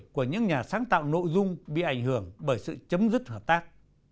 của những nhà sáng tạo nội dung bị ảnh hưởng bởi sự chấm dứt hợp tác